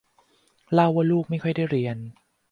เล่าว่าลูกไม่ค่อยได้เรียน